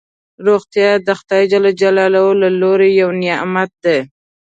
روغتیا دخدای ج له لوری یو نعمت دی